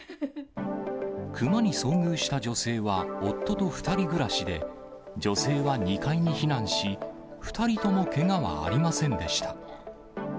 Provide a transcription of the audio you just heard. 熊に遭遇した女性は夫と２人暮らしで、女性は２階に避難し、２人ともけがはありませんでした。